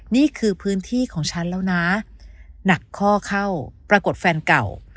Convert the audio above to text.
นี่คือพื้นที่ของฉันแล้วนะหนักข้อเข้าปรากฏแฟนเก่า